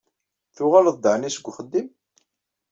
Tuɣaleḍ-d ɛni seg uxeddim?